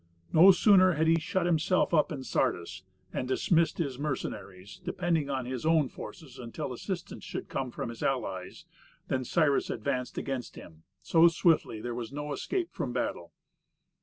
No sooner had he shut himself up in Sardis, and dismissed his mercenaries, depending upon his own forces until assistance should come from his allies, than Cyrus advanced against him so swiftly that there was no escape from a battle.